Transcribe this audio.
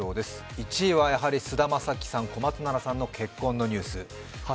１位はやはり菅田将暉さん、小松菜奈さんの結婚のニュース。